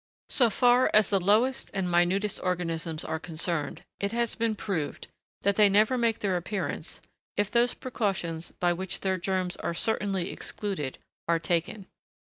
So far as the lowest and minutest organisms are concerned, it has been proved that they never make their appearance, if those precautions by which their germs are certainly excluded are taken.